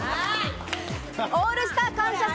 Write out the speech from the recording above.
『オールスター感謝祭』